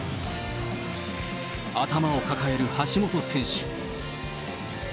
頭を抱える橋本選手。